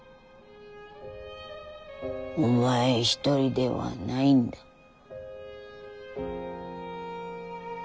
お前一人ではないんだ決して。